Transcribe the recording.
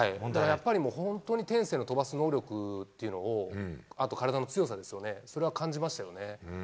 もう本当に天性の飛ばす能力っていうのを、あと体の強さですよね、それは感じましたよね。